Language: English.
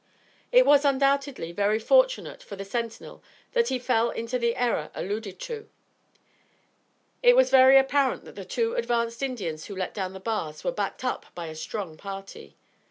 It was, undoubtedly, very fortunate for the sentinel that he fell into the error alluded to. It was very apparent that the two advanced Indians who let down the bars were backed up by a strong party.